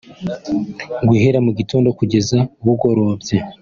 Guhera mugitondo kugeza bugorobye